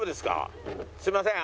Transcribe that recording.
すいません。